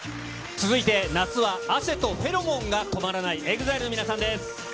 続いて、夏は汗とフェロモンが止まらない、ＥＸＩＬＥの皆さんです。